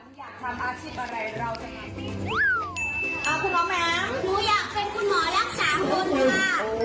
หนูอยากเป็นคุณหมอยักษ์สามคนค่ะ